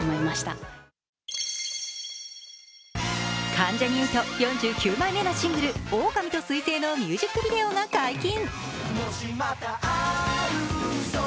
関ジャニ∞４９枚目のシングル、「オオカミと彗星」のミュージックビデオが解禁。